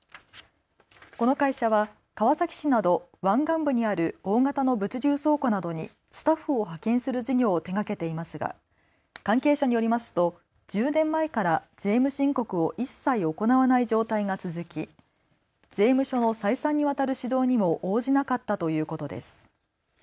この会社は川崎市など湾岸部にある大型の物流倉庫などにスタッフを派遣する事業を手がけていますが関係者によりますと１０年前から税務申告を一切行わない状態が続き税務署の再三にわたる指導にも応じなかったということです。